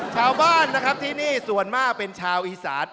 ชาวบ้านนะครับที่นี่ส่วนมากเป็นชาวอีสาน